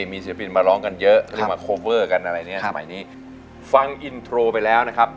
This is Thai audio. มีศิลปินมาร้องกันเยอะหรือมาโคเวอร์กันอะไรเนี้ยสมัยนี้ฟังอินโทรไปแล้วนะครับ